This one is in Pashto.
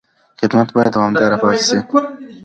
خدمت باید دوامداره پاتې شي.